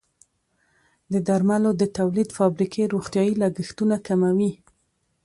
د درملو د تولید فابریکې روغتیايي لګښتونه کموي.